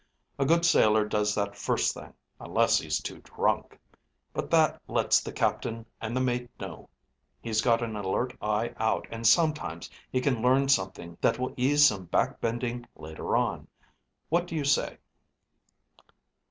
A good sailor does that first thing unless he's too drunk. But that lets the captain and the mate know he's got an alert eye out, and sometimes he can learn something that will ease some back bending later on. What do you say?"